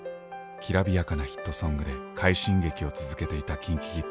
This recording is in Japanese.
きらびやかなヒットソングで快進撃を続けていたＫｉｎＫｉＫｉｄｓ。